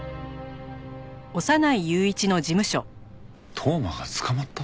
当麻が捕まった？